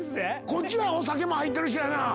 こっちはお酒も入ってるしやな。